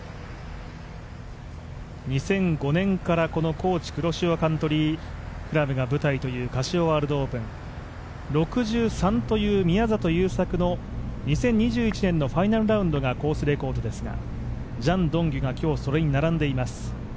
２００５年からこのＫｏｃｈｉ黒潮カントリークラブが舞台というカシオワールドオープン、６３という宮里優作の２０２１年のファイナルラウンドがコースレコードですがジャン・ドンキュが今日、それに並んでいます。